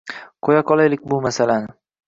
Qo‘ya qolaylik bu masalani.